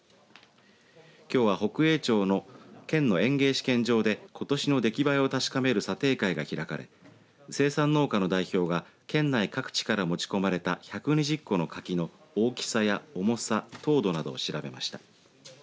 きょうは北栄町の県の園芸試験場でことしの出来栄えを確かめる県の査定会が開かれ生産農家の代表が県内各地から持ち込まれた１２０個の柿の大きさや重さ糖度などを調べました。